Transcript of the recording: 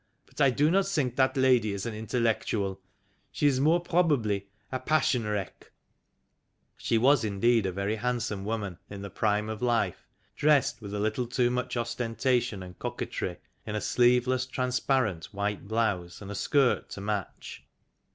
But I do not think that lady is an intellectual she is more probably a passion wreck." i 4 THE LAST GENERATION She was indeed a very handsome woman in the prime of life, dressed with a little too much ostenta tion and coquetry in a sleeveless, transparent white blouse and a skirt to match.